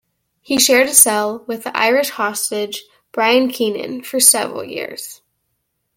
He shared a cell with the Irish hostage Brian Keenan for several years.